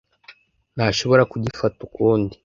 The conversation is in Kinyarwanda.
ntashobora kugifata ukundi.